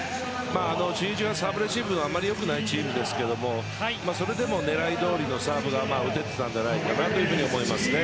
チュニジアはサーブレシーブがあまり良くないチームですがそれでも、狙いどおりのサーブが打てていたと思います。